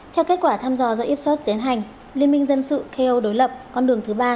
theo kết quả thăm dò do ipsos tiến hành liên minh dân sự keo đối lập con đường thứ ba